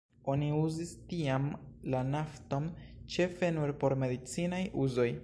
Oni uzis tiam la nafton ĉefe nur por medicinaj uzoj.